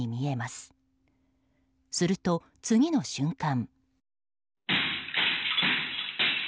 すると、次の瞬間。